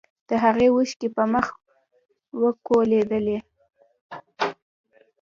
د هغې اوښکې په مخ وکولېدلې.